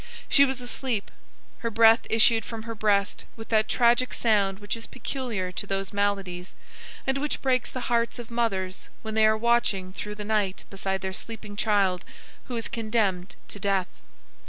She was asleep. Her breath issued from her breast with that tragic sound which is peculiar to those maladies, and which breaks the hearts of mothers when they are watching through the night beside their sleeping child who is condemned to death.